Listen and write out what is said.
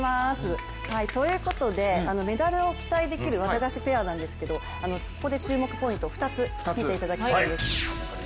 ということで、メダルを期待できるワタガシペアですがここで注目ポイントを２つ見ていただきたいです。